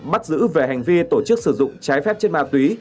bắt giữ về hành vi tổ chức sử dụng trái phép chất ma túy